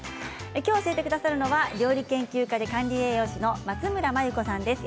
きょう教えてくださるのは料理研究家で管理栄養士の松村眞由子さんです。